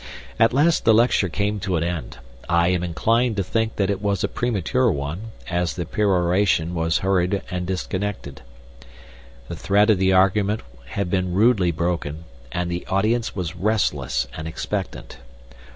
At last the lecture came to an end I am inclined to think that it was a premature one, as the peroration was hurried and disconnected. The thread of the argument had been rudely broken, and the audience was restless and expectant.